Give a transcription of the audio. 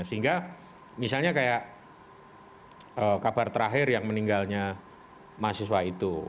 sehingga misalnya kayak kabar terakhir yang meninggalnya mahasiswa itu